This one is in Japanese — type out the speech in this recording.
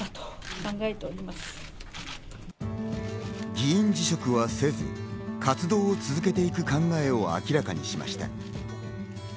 議員辞職はせず、活動を続けていく考えを明らかにしました。